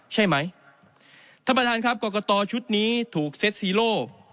ใช่ไหมท่านประธานครับกอกกะตอชุดนี้ถูกเซ็ตซีโล่